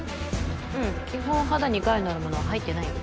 うん基本肌に害のあるものは入ってないよ。